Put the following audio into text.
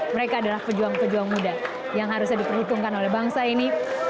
mereka adalah pejuang pejuang muda yang harusnya diperhitungkan oleh bangsa ini